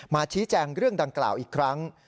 ชี้แจงเรื่องดังกล่าวอีกครั้ง